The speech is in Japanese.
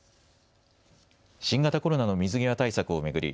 新型コロナの水際対策を巡り